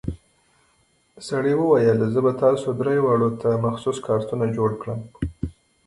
سړي وويل زه به تاسو درې واړو ته مخصوص کارتونه جوړ کم.